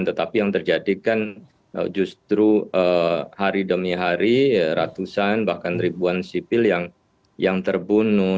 tetapi yang terjadi kan justru hari demi hari ratusan bahkan ribuan sipil yang terbunuh